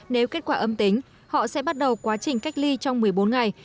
nếu kết quả âm tính họ sẽ bắt đầu quá trình cách ly trong một mươi bốn ngày